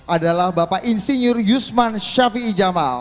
adalah bapak insinyur yusman syafi ijamal